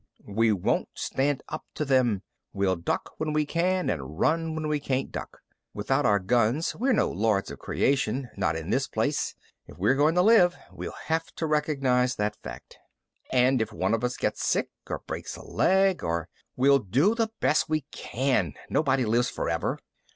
"We won't stand up to them. We'll duck when we can and run when we can't duck. Without our guns, we're no lords of creation not in this place. If we're going to live, we'll have to recognize that fact." "And if one of us gets sick or breaks a leg or " "We'll do the best we can. Nobody lives forever."